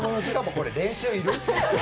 これ、練習いる？